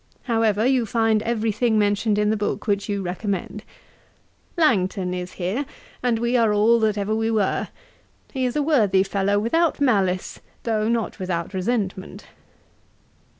However, you find every thing mentioned in the book which you recommended. 'Langton is here; we are all that ever we were. He is a worthy fellow, without malice, though not without resentment.